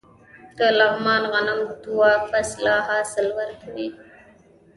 د لغمان غنم دوه فصله حاصل ورکوي.